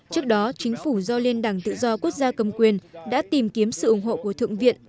trước đó chính phủ do liên đảng tự do quốc gia cầm quyền đã tìm kiếm sự ủng hộ của thượng viện